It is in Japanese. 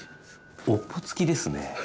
尾っぽつきですね。